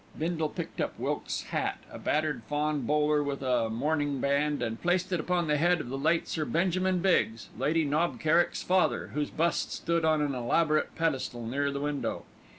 Bindle picked up Wilkes's hat a battered fawn bowler with a mourning band and placed it upon the head of the late Sir Benjamin Biggs, Lady Knob Kerrick's father, whose bust stood on an elaborate pedestal near the window.